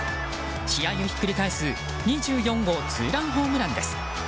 試合をひっくり返す２４号ツーランホームランです。